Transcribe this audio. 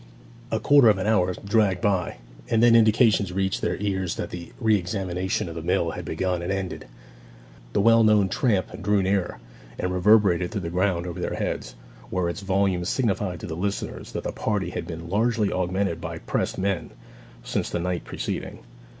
A quarter of an hour dragged by, and then indications reached their ears that the re examination of the mill had begun and ended. The well known tramp drew nearer, and reverberated through the ground over their heads, where its volume signified to the listeners that the party had been largely augmented by pressed men since the night preceding.